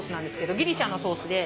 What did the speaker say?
ギリシャのソースで。